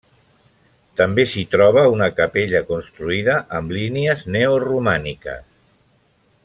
També s'hi troba una capella construïda amb línies neoromàniques.